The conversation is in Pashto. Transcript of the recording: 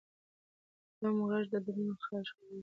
بم غږ د دروند خج نښه ده.